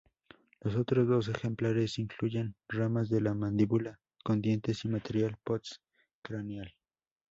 Los otros dos ejemplares incluyen ramas de la mandíbula con dientes y material post-craneal.